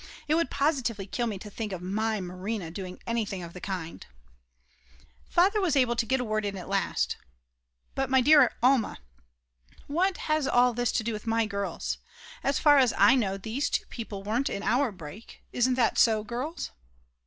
It would positively kill me to think of my Marina doing anything of the kind." Father was able to get a word in at last: "But my dear Alma, what has all this to do with my girls? As far as I know these two people weren't in our break, isn't that so girls?"